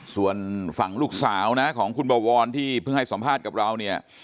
ส่วนฝั่งลูกสาวนะของคุณบวรที่เพิ่งให้สัมภาษณ์กับเราเนี่ย